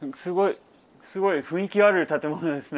すごい雰囲気ある建物ですね。